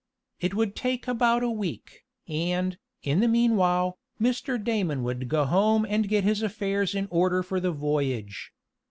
It would take about a week, and, in the meanwhile, Mr. Damon would go home and get his affairs in order for the voyage.